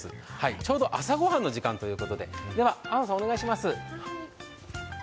ちょうど朝ご飯の時間ということで、ではお願いします。